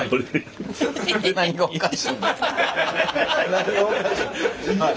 何がおかしい